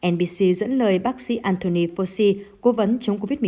nbc dẫn lời bác sĩ anthony fossey cố vấn chống covid một mươi chín